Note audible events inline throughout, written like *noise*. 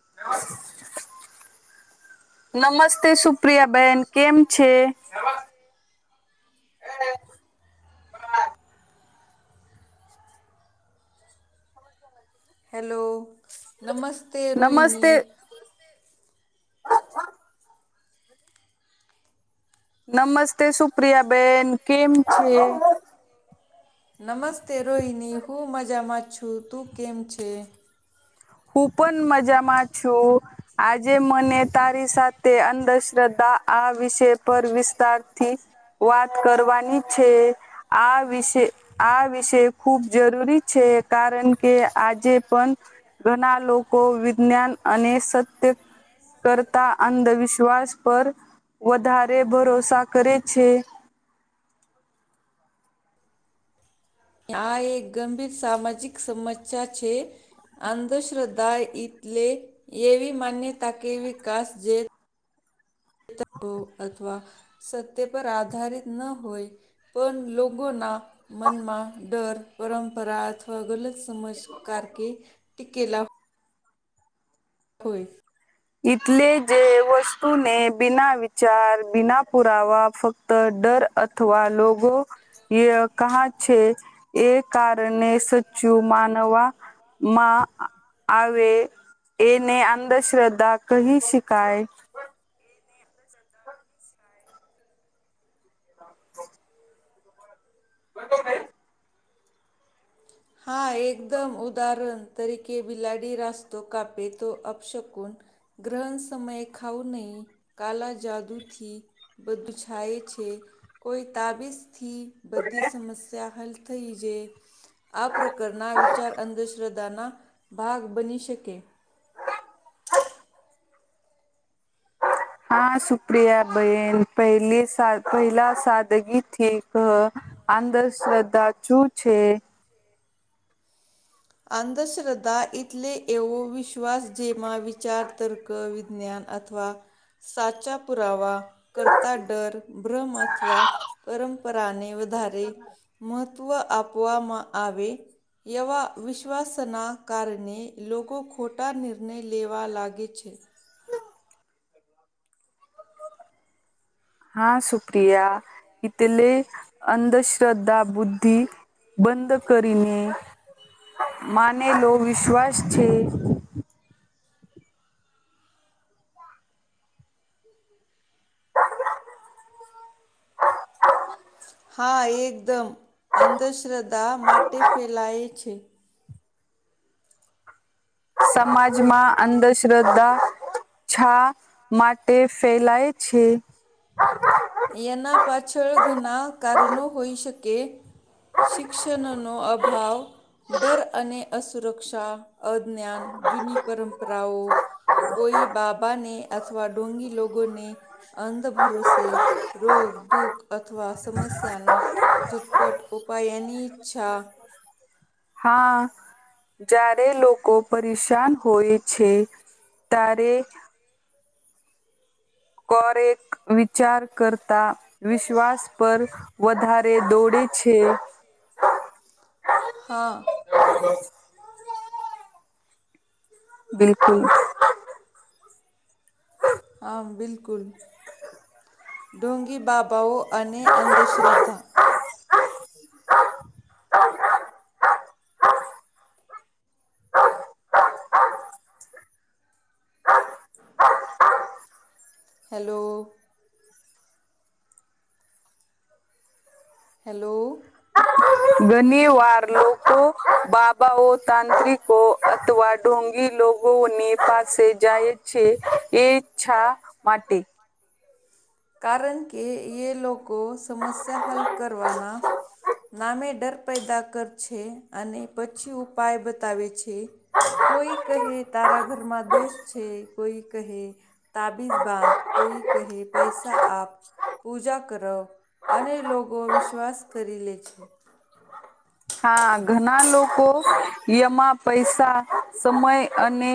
હ *unintelligible* નમસ્તે સુપ્રિયાબેન કેમ છે? હેલો નમસ્તે રોહિની. નમસ્તે નમસ્તે સુપ્રિયા બેેન કેમ છે? નમસ્તે રોહિની હું મજામાં છું. તું કેમ છે? હું પણ મજામાં છું. આજે મને તારી સાથે અંધશ્રદ્ધા આ વિષય પર વિસ્તારથી વાત કરવાની છે આ વિશે આ વિષય ખૂબ જરૂરી છે કારણ કે આજે પણ ઘણા લોકો વિજ્ઞાન અને સત્ય કરતા અંધવિશ્વાસ પર વધારે ભરોસા કરે છે. આ એક ગંભીર સામાજિક સમસ્યા છે. અંધશ્રદ્ધા એટલે એૈવી માન્યતા કે વિકાસ જે અથવા સત્ય પર આધારિત ન હોય. પણ લોગોના મનમાં ડર, પરંપરા અથવા ગલત સમજ કાર કે ટીકેલા. હોય. એટલે જે વસ્તુને બિના વિચાર, બિના પુરાવા, ફક્ત તો ડર અથવા લોકો ક છે, એ કારણે સાચું માનવા. માં આવે, એને અંધશ્રદ્ધા કહી શકાય. એનેતાછ *unintelligible* હ *unintelligible* બતો ભાઈ *unintelligible* *unintelligible* હા, એકદમ, ઉદાહરણ તરીકે બિલાડી રાસ્તો કાપે તો અપશુકન. ગ્રહણ સમયે ખાવ નહી, કાલા જાદુથી. બધું છાય છે, કોઈ તાબીસ થી બધી સમસ્યા હલ થઈ જાય. આ પ્રકારના વિચાર અંધશ્રદ્ધાના ભાગ બની શકે. *unintelligible* હા, સુપ્રિયા બેહેન પહેલી સા પહેલા સાદગી થી અંધશ્રદ્ધા શું છે? અંધશ્રદ્ધા એટલે એવો વિશ્વાસ જેમાં વિચાર, તર્ક, વિજ્ઞાન. અથવા સાચા પુરાવા. કરતા ડર, ભ્રમ અથવા પરંપરાને વધારે મહત્વ આપવામાં આવે, એવા વિશ્વાસના કારણે લોકો ખોટા નિર્ણય લેવા લાગે છે. હા, સુપ્રિયા. તેલે અંધશ્રદ્ધા, બુદ્ધિ બંધ કરીને. માને લો વિશ્વાસ છે. હા, એકદમ અંધશ્રદ્ધા માટે ફેલાય છે. સમાજમાં અંધશ્રદ્ધા. છા માટે ફેલાય છે. એના પાછળ ઘણા કારણો હોઈ શકે. શિક્ષણનો અભાવ, ડર અને અસ સુરક્ષા, અજ્ઞાન, જૂની પરંપરાઓ. કોઈ બાબાને અથવા ડુંગી લોકોગોને અંધ ભરોસે. રોગ, દુઃખ અથવા સમસ્યાના ઝટપટ ઉપયાની ઈચ્છા. હા. જ્યારે લોકો પરેશાન હોય છે, ત્યારે કોરેક વિચાર કરતા, વિશ્વાસ પર. વધારે દોડે છે. હા. *unintelligible* બિલકુલ. હા, બિલકુલ, ઢુંગી બાબાઓ અને અંધશ્રદ્ધા. હેલો. હેલો. ઘણી વાર લોકો બાબાઓ, તાંત્રિકો અથવા. ઢોંગી લોકોગોની પાસે જાય છે, એચ્છા માટે. કારણ કે એ લોકો સમસ્યા હલ કરવાના. નામે ડર પેદા કર છે, અને પછી ઉપાય બતાવે છે. કોઈ કહે, તારા ઘરમાં દોસ છે કોઈ કહે. તાબિઝ બાંધ, કોઈ કહે. પૈસા આપ પૂજા કરો, અને લોકો વિશ્વાસ કરી લે છે. હા, ઘણા લોકો યમા પૈસા, સમય અને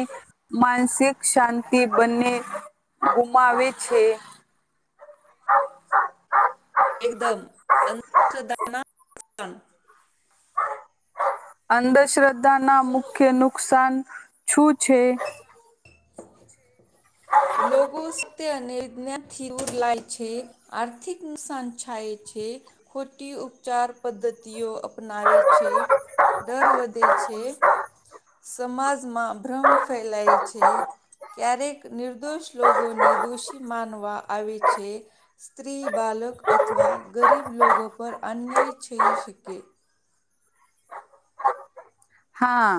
માનસિક શાંતિ બંને ગુમાવે છે. એકદમ શધા અંધશ્રદ્ધા ના મુખ્ય નુકસાન શું છે? *inaudible* લોકોગો સ તે નિથી ઉર લાય છે. આર્થિક નુકસાન છાય છે. ખોટી ઉપચાર પદ્ધતિઓ અપનાવે છે. ડર વધે છે, સમાજમાં ભ્રમ ફેલાય છે. ક્યારેક નિર્દોષ લોકોને દોષી માનવા આવે છે. સ્ત્રી બાલક અથવા ગરીબ લોકો પર અન્યાય થઈ શકે. હા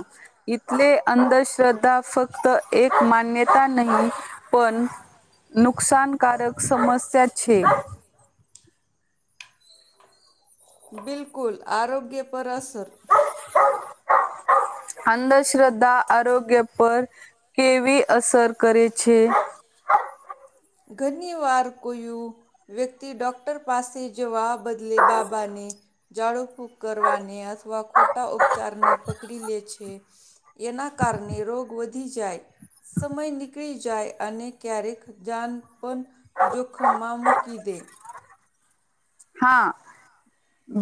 થલે અંધશ્રદ્ધા ફક્ત એક માન્યતા નહી પણ નુકસાનકારક સમસ્યા છે બિલકુલ આરોગ્ય પર અસર અંધશ્રદ્ધા આરોગ્ય પર કેવી અસર કરે છે ઘનવાર કોયોું વ્યક્તિ ડોક્ટર પાસે જવા બદલે બાબાને જાઝાડું ફૂક કરવાને અથવા ખોટા ઉપચારને પકડી લે છે એના કારણે રોગ વધી જાય સમય નીકળી જાય અને ક્યારેક જાનપન જોખ મામું કી દે હા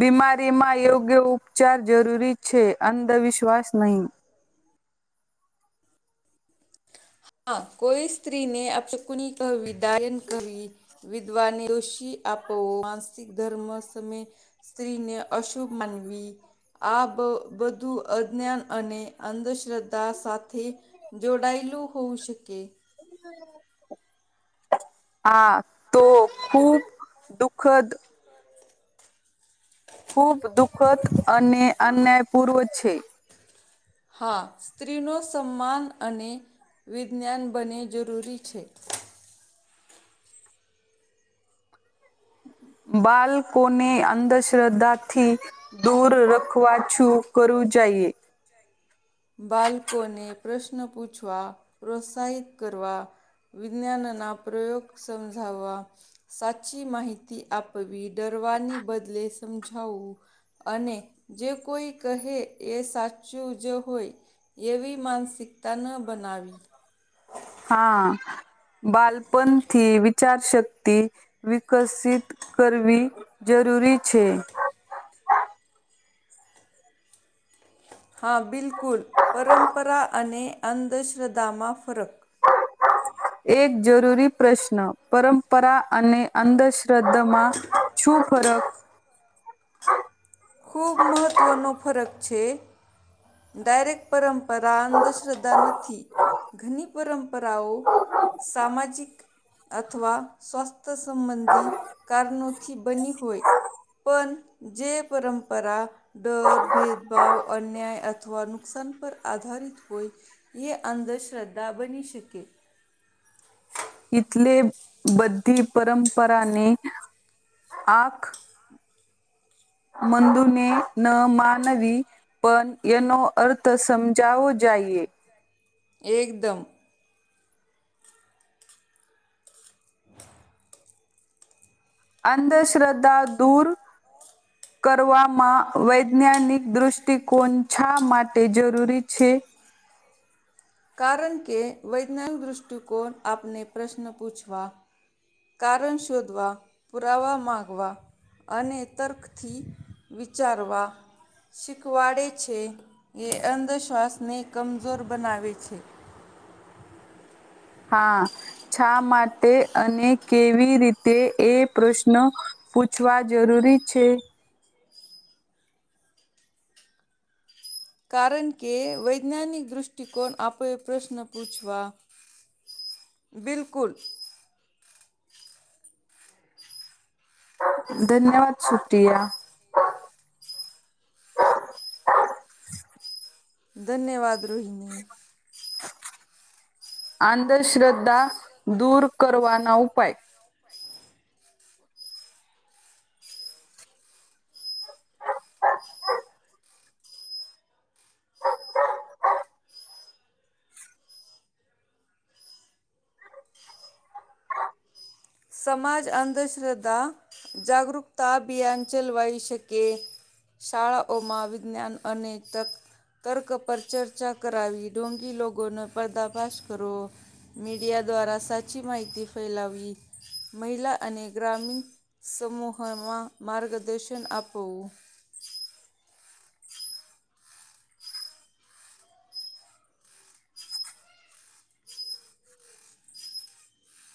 બીમારીમાં યોગ્ય ઉપચાર જરૂરી છે અંધવિશ્વાસ નહીં. હા કોઈ સ્ત્રીને આ ચકની કહવી દાયન કવી વિધવાને રઋષિ આપો માનસિક ધર્મ સમમે સ્ત્રીને અશુક મનવી આ બધું અજ્ઞાન અને અંધશ્રદ્ધા સાથે જોડાયેલું હોું શકે હમ હા તો ખૂબ દુઃખદ ખૂબ દુઃખદ અને અન્યાયપૂર્વ છે હા સ્ત્રીનો સન્માન અને વિજ્ઞાન બને જરૂરી છે બાળકોને અંધશ્રદ્ધાથી દૂર રખવા છું કરું જઈએ બાળકોને પ્રશ્ન પૂછવા પ્રોત્સાહિત કરવા વિજ્ઞાાનના પ્રયોગ સમજાવવા સાચી માહિતી આપવી ડરવાની બદલે સમજાવું અને જે કોઈ કહે એ સાચું જો હોય એવી માનસિકતા ન બનાવી હા બાલપંથી વિચાર શક્તિ વિકસિત કરવી જરૂરી છે હા બિલકુલ પરંપરા અને અંધશ્રદ્ધામાં ફરક એક જરૂરી પ્રશ્ન પરંપરા અને અંધશ્રદ્ધામાં શું ફરક ખૂબ મહત્ત્વનો ફરક છે ડાયરેક્ટ પરંપરા અંધશ્રદ્ધા નથી ઘની પરંપરાઓ સામાજિક અથવા સ્વાસ્થ્ય સંબંધી કારણોથી બની હોય પણ જે પરંપરા ડર ભેદભાવ અન્યાય અથવા નુકસાન પર આધારિત હોય એ અંધશ્રદ્ધા બની શકે ઈથલે બધી પરંપરાને આખ મંદુને ન માનવી પન એનો અર્થ સમજાવો જાઈએ. એકદમ. હ અંધશ્રદ્ધા દૂર કરવામાં વૈજ્ઞાનિક દૃષ્ટિકોણ છા માટે જરૂરી છે? કારણ કે વૈજ્ઞાનિક દૃષ્ટિકોણ આપને પ્રશ્ન પૂછવા કારણ શોધવા, પુરાવા માગવા અને તર્કથી વિચારવા શીખવાડે છે એ અંધશ્વાસને કમજોર બનાવે છે. હા છા માટે અને કેવી રીતે એ પ્રશ્ન પૂછવા જરૂરી છે? કારણ કે વૈજ્ઞાનિક દૃષ્ટિકોણ આપે એ પ્રશ્ન પૂછવા બિલકુલ. ધન્યવાદ સુટિયા. ધન્યવાદ રોહિની. આંધશ્રદ્ધા દૂર કરવાના ઉપાય. સમાજ અંધશ્રદ્ધા જાગૃકતા અભિયાન ચલવાઈ શકે. શાળાઓમાં વિજ્ઞાન અને તક તર્ક પર ચર્ચા કરાવી ઢોંગી લોગોનો પર્દા ફાશ કરો. મીડિયા દ્વારા સાચી માહિતી ફેલાવવી. મહિલા અને ગ્રામીણ સમૂહમાં માર્ગદર્શન આપવું.